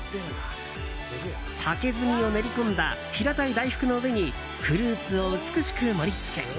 竹炭を練り込んだ平たい大福の上にフルーツを美しく盛り付け。